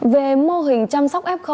về mô hình chăm sóc f